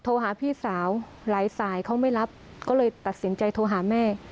โทรหาพี่สาวหลายสายเขาไม่รับก็เลยตัดสินใจโทรหาแม่